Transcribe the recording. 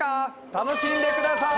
楽しんでください。